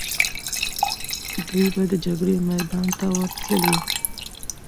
دوی به د جګړې میدان ته ورتللې.